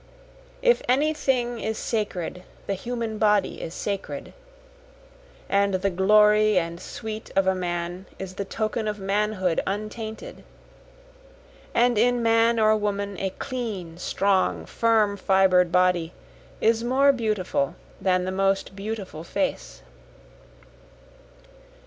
If any thing is sacred the human body is sacred, And the glory and sweet of a man is the token of manhood untainted, And in man or woman a clean, strong, firm fibred body, is more beautiful than the most beautiful face.